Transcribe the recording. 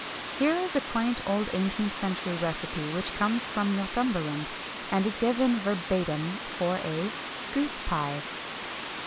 Here is a quaint old eighteenth century recipe, which comes from Northumberland, and is given verbatim, for a Goose Pie.